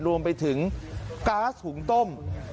รวมไปถึงก๊าซหุงต้ม